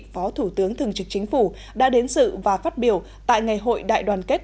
phó thủ tướng thường trực chính phủ đã đến sự và phát biểu tại ngày hội đại đoàn kết